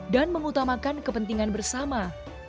dan mengutamakan kepentingan bersama